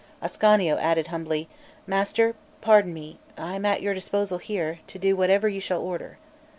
Ascanio added humbly: "Master, pardon me; I am at your disposal here, to do whatever you shall order."